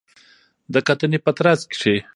د کتنې په ترڅ کې